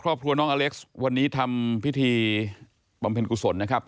ครอบครัวน้องอเล็กซ์วันนี้ทำพิธีบำเพ็ญกุศลนะครับ